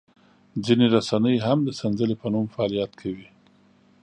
ځینې رسنۍ هم د سنځلې په نوم فعالیت کوي.